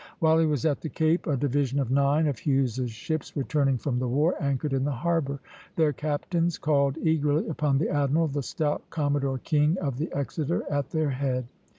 While he was at the Cape, a division of nine of Hughes's ships, returning from the war, anchored in the harbor. Their captains called eagerly upon the admiral, the stout Commodore King of the "Exeter" at their head.